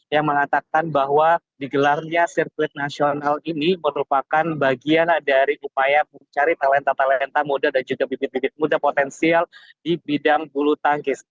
yang mengatakan bahwa digelarnya sirkuit nasional ini merupakan bagian dari upaya mencari talenta talenta muda dan juga bibit bibit muda potensial di bidang bulu tangkis